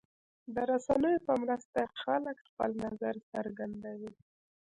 د رسنیو په مرسته خلک خپل نظر څرګندوي.